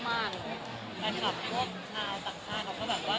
แฟนคลับพวกชาวต่างชาติเขาก็แบบว่า